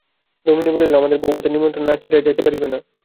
দামিনী বলিল, আমাদের বউভাতের নিমন্ত্রণ না সারিয়া যাইতে পারিবে না।